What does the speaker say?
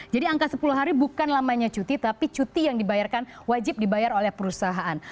jadi angka sepuluh hari bukan namanya cuti tapi cuti yang dibayarkan wajib dibayar oleh perusahaan